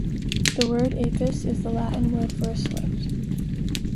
The word "apus" is the Latin word for a swift.